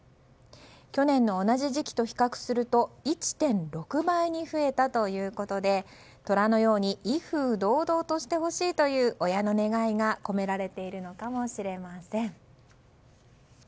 去年の同じ時期と比較すると１．６倍に増えたということで虎のように威風堂々としてほしいという親の願いが込められているのかもしれません。